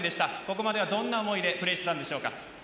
今まではどんな思いでプレーしたんでしょうか？